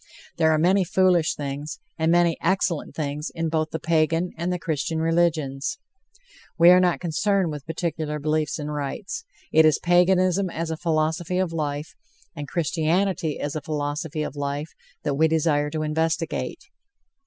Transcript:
There are many foolish things, and many excellent things, in both the Pagan and the Christian religions. We are not concerned with particular beliefs and rites; it is Paganism as a philosophy of life, and Christianity as a philosophy of life, that we desire to investigate.